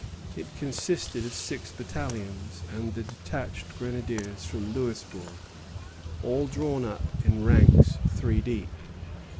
It consisted of six battalions and the detached grenadiers from Louisbourg, all drawn up in ranks three deep.